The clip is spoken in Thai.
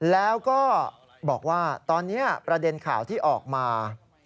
แล้วก็บอกว่าตอนนี้ประเด็นข่าวที่ออกมา